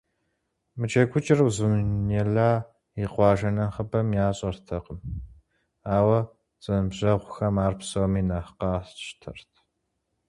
Мы джэгукӏэр Узуняйла и къуажэ нэхъыбэм ящӏэртэкъым, ауэ зэныбжьэгъухэм ар псом нэхъ къатщтэрт.